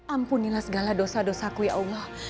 ampunilah segala dosa dosa ku ya allah